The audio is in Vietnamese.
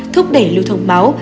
thúc đẩy lưu thống máu